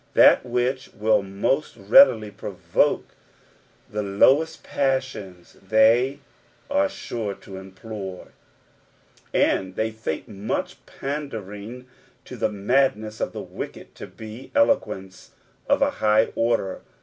That which will most readilj provoke the lowest passions they are sure to employ, and they think such pandering to the madness of the wicked to be eloquence of a high order.